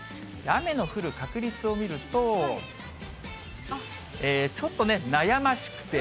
雨の降る確率を見ると、ちょっとね、悩ましくて。